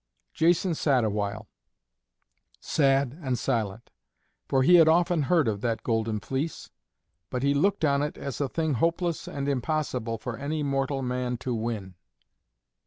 Jason sat awhile, sad and silent, for he had often heard of that Golden Fleece, but he looked on it as a thing hopeless and impossible for any mortal man to win.